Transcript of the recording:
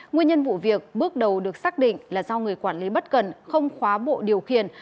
nguyên nhân vụ việc bước đầu được xác định là do người quản lý bất cần không khóa bộ điều khiển